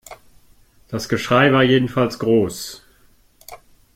Das Geschrei war jedenfalls groß.